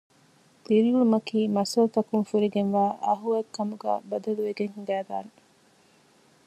ދިރިއުޅުމަކީ މައްސަލަތަކުން ފުރިގެންވާ އަހުވައެއްކަމުގައި ބަދަލުވެގެން ހިނގައިދާނެ